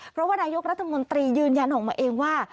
เพราะว่านายกรัฐมนตรียืนยันออกมาเองว่า